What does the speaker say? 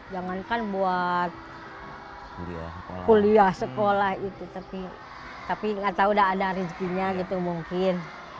jangankan buat kuliah sekolah itu tapi nggak tahu udah ada rezekinya gitu mungkin